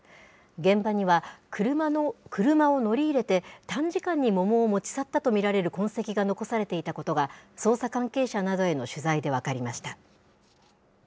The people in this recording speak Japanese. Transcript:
現場には、車を乗り入れて、短時間に桃を持ち去ったと見られる痕跡が残されていたことが、捜査関係者などへの取材で分かりました。